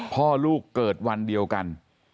พ่อลูกเกิดวันเดียวกัน